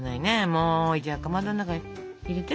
もうじゃあかまどの中に入れて。